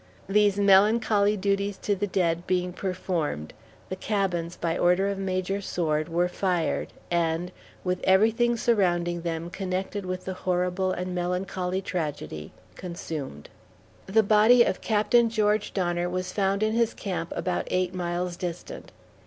These melancholy duties to the dead being performed, the cabins, by order of Major Sword, were fired and, with everything surrounding them connected with the horrible and melancholy tragedy, consumed. The body of (Captain) George Donner was found in his camp about eight miles distant.